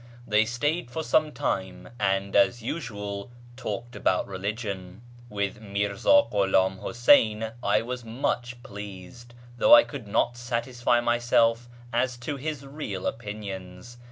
They stayed for some time, and, as usual, talked about religion. With Mirza Ghulam Huseyn I was much pleased, though I could not satisfy myself as to his real opinions.